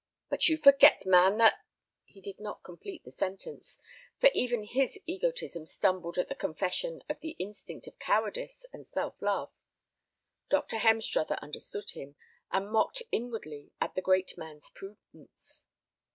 "But you forget, man, that—" He did not complete the sentence, for even his egotism stumbled at the confession of the instinct of cowardice and self love. Dr. Hemstruther understood him, and mocked inwardly at the great man's prudence.